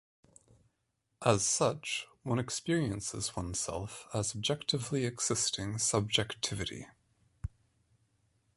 As such, one experiences oneself as objectively existing subjectivity.